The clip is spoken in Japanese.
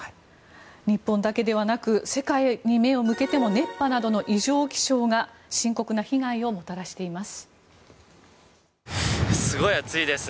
日本だけではなく世界に目を向けても熱波などの異常気象が深刻な被害をもたらしています。